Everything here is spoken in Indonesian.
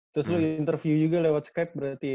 terus lu interview juga lewat skype berarti